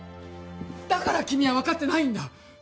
だから君は分かってないんだ！